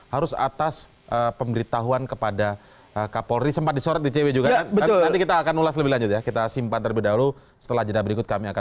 harus atas pemberitahuan kepada kpk polri